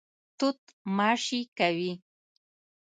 توت ماشې کوي.